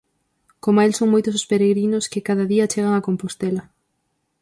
Coma el son moitos os peregrinos que cada día chegan a Compostela.